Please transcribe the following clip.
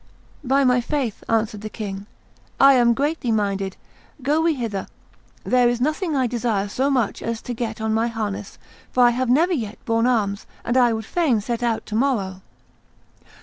"By my faith," answered the king, "I am greatly minded; go we thither; there is nothing I desire so much as to get on my harness, for I have never yet borne arms; I would fain set out to morrow."